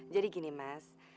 jadi gini mas